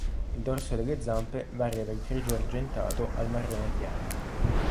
Il dorso delle zampe varia dal grigio-argentato al marrone chiaro.